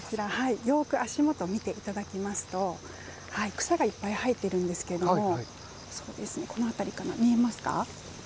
よく足元を見ていただきますと草がいっぱい生えているんですがこの辺り、見えますか。